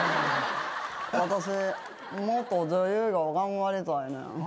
私もっと女優業頑張りたいねん。